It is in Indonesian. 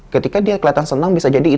ketika dia kelihatan senang bisa jadi